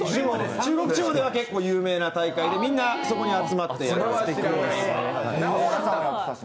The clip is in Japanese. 中国地方では結構有名な大会でみんな集まって。